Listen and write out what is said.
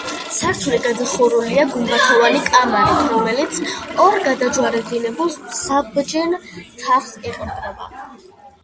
სართული გადახურულია გუმბათოვანი კამარით, რომელიც ორ გადაჯვარედინებულ საბჯენ თაღს ეყრდნობა.